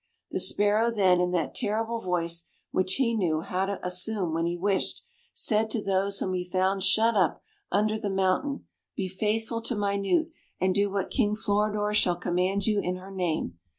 The sparrow then in that terrible voice which he knew how to assume when he wished, said to those whom he found shut up under the mountain, "Be faithful to Minute, and do what King Floridor shall command you in her name."